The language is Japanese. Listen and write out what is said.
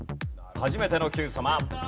初めての『Ｑさま！！』。